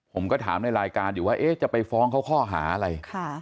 ผมก็ถามในรายการอยู่ว่าจะไปฟ้องเขาข้อหาอะไร